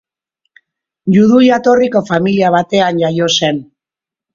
Judu jatorriko familia batean jaio zen.